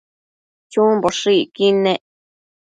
chumboshëcquid nec